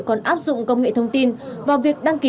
còn áp dụng công nghệ thông tin vào việc đăng ký